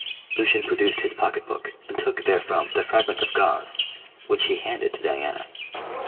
Lucian produced his pocketbook and took therefrom the fragment of gauze, which he handed to Diana.